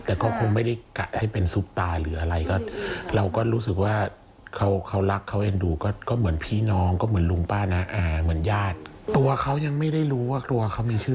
ตอนนี้ก็จะมีพวกลงรูปในโซเชียลกับเดินแบบบ้างอะไรอย่างนี้ครับผม